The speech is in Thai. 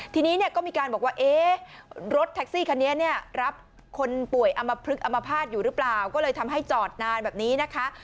ทีนี้เนี่ยก็มีการบอกว่าเอ๊ะรถแท็กซี่คันนี้เนี่ยรับคนป่วยอำมพลึกอมภาษณ์อยู่หรือเปล่าก็เลยทำให้จอดนานแบบนี้นะคะ